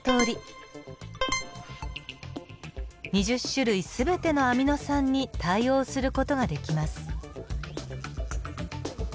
２０種類全てのアミノ酸に対応する事ができます。